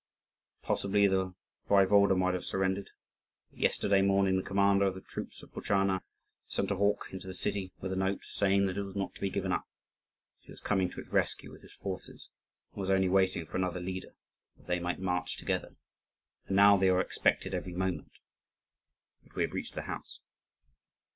"Possibly the Waiwode might have surrendered; but yesterday morning the commander of the troops at Buzhana sent a hawk into the city with a note saying that it was not to be given up; that he was coming to its rescue with his forces, and was only waiting for another leader, that they might march together. And now they are expected every moment. But we have reached the house."